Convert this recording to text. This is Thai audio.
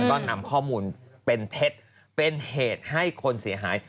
ก็นำข้อมูลเป็นเท็จเป็นเหตุให้คนเสียหาย